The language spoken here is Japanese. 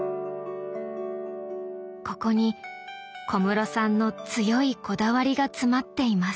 ここに小室さんの強いこだわりが詰まっています。